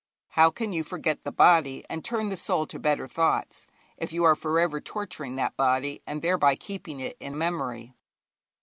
How can you forget the body, and turn the soul to better thoughts, if you are for ever torturing that body, and thereby keeping it in memory?